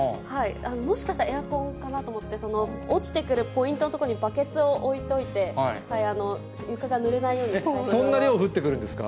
もしかしたらエアコンかなと思って、その落ちてくるポイントの所にバケツを置いといて、そんな量降ってくるんですか？